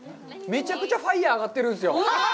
めちゃくちゃファイヤー、上がってるんですよ。